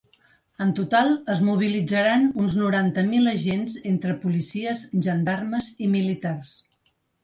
En total, es mobilitzaran uns noranta mil agents entre policies, gendarmes i militars.